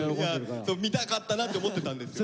見たかったなって思ってたんですよ。